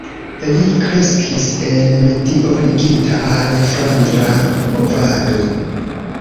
Li kreskis en medio ligita al Flandra Movado.